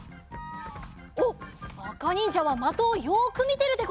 おっあかにんじゃは的をよくみてるでござるぞ。